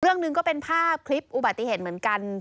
เรื่องหนึ่งก็เป็นภาพคลิปอุบัติเหตุเหมือนกัน